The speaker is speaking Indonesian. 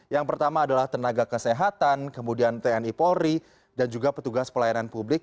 yang pertama adalah tenaga kesehatan kemudian tni polri dan juga petugas pelayanan publik